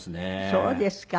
そうですか。